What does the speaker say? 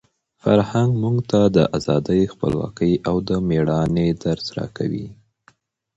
فرهنګ موږ ته د ازادۍ، خپلواکۍ او د مېړانې درس راکوي.